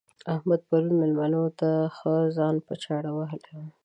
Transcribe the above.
احمد پرون مېلمنو ته ښه ځان په چاړه وهلی وو.